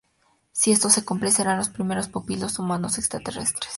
Si esto se cumple, serán los primeros pupilos humanos extraterrestres.